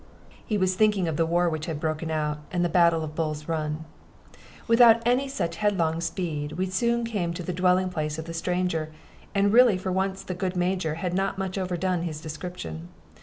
He was thinking of the war which had broken out, and the battle of Bull's Run. Without any such headlong speed, we soon came to the dwelling place of the stranger, and really for once the good Major had not much overdone his description.